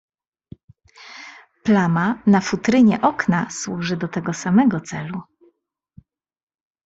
"Plama na futrynie okna służy do tego samego celu."